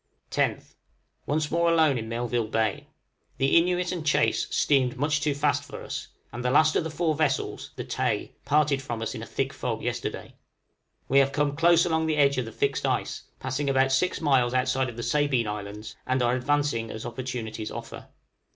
10th. Once more alone in Melville Bay. The 'Innuit' and 'Chase' steamed much too fast for us, and the last of the four vessels, the 'Tay,' parted from us in a thick fog yesterday. We have come close along the edge of the fixed ice, passing about six miles outside of the Sabine Islands, and are advancing as opportunities offer.